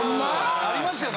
ありましたよね？